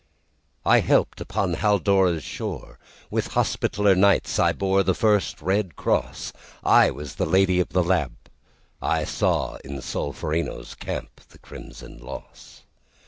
I helped upon Haldora's shore; With Hospitaller Knights I boreThe first red cross;I was the Lady of the Lamp;I saw in Solferino's campThe crimson loss.